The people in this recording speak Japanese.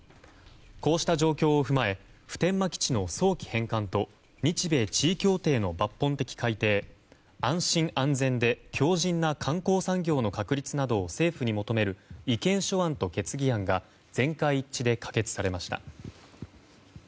こうした状況を踏まえ普天間基地の早期返還と日米地位協定の抜本的改定安心・安全で強靭な観光産業の確立などを政府に求める意見書案と決議案が全会一致で可決されました。